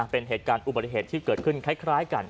เป็นเหตุการณ์อุบัติเหตุที่เกิดขึ้นคล้ายกัน